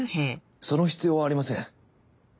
その必要はありません。